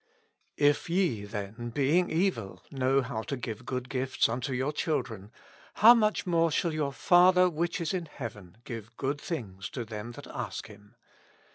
If ye^ then, being evil^ know how to give good gifts tinto your children^ how mtuh more shall your Father which is in heaven give good things to them that ask Him